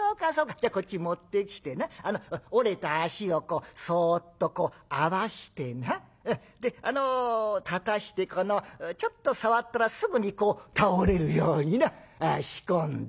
じゃあこっちに持ってきてな折れた脚をそっとこう合わしてなであの立たしてこのちょっと触ったらすぐに倒れるようにな仕込んで。